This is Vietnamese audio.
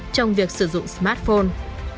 trong việc sử dụng smartphone